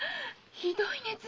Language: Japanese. ひどい熱。